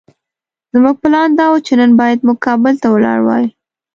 زموږ پلان دا وو چې نن بايد موږ کابل ته ولاړ وای.